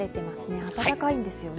暖かいですよね。